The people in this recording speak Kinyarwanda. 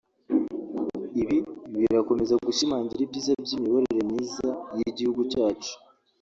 ibi birakomeza gushimangira ibyiza by’imiyoborere myiza y’igihugu cyacu